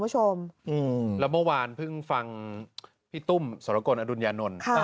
ผู้ชมแล้วเมื่อวานเพิ่งฟังพี่ตุ้มสรกอนอดุนยานนค่ะ